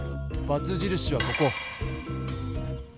×じるしはここ。